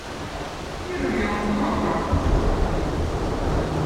irvi on zooparkkõz